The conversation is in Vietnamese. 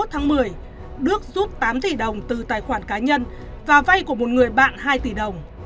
hai mươi tháng một mươi đức rút tám tỷ đồng từ tài khoản cá nhân và vay của một người bạn hai tỷ đồng